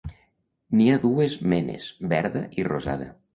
N'hi ha dues menes, verda i rosada.